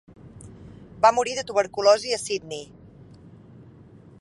Va morir de tuberculosi a Sydney.